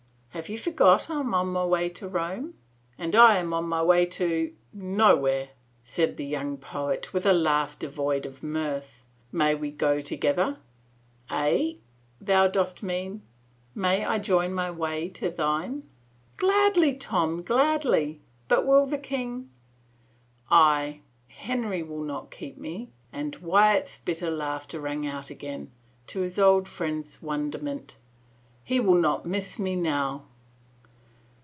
"" Have you forgot I am on my way to Rome ?"" And I am on my way to — nowhere," said the young 8 91 THE FAVOR OF KINGS poet, with a laugh devoid of mirth. " May we go together?" " Eh ? Thou dost mean —?"" May I join my way to thine? "" Gladly, Tom, gladly. But will the king—" " Aye,. Henry will not keep me," and Wyatt's bitter laugh rang out again, to his old friend's wonderment. " He will not miss me now."